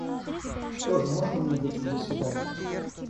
Что же, можно мне быть в заседании?